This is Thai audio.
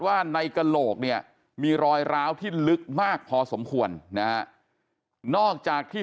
ว่าในกระโหลกเนี่ยมีรอยร้าวที่ลึกมากพอสมควรนะนอกจากที่